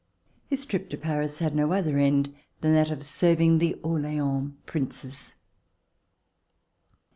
His trip to Paris had no other end than that of serving the Orleans Princes.